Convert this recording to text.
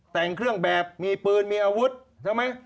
แต่งเครื่องแบบมีปืนมีอาวุธใช่ไหม